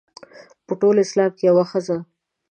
په ټول اسلام کې یوه ښځه.